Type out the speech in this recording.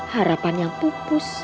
harapan yang pupus